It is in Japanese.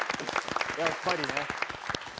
やっぱりね。